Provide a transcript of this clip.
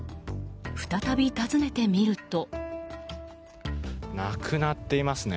再び訪ねてみると。